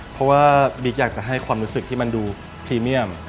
เพราะว่าบิ๊กอยากจะให้ความรู้สึกที่มันดูพรีเมียม